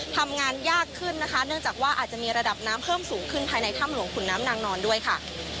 ทำงานยากขึ้นนะคะเนื่องจากว่าอาจจะมีระดับน้ำเพิ่มสูงขึ้นภายในถ้ำหลวงขุนน้ำนางนอนด้วยค่ะ